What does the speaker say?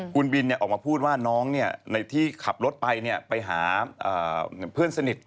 คุณบินออกมาพูดว่าน้องที่ขับรถไปไปหาเพื่อนสนิท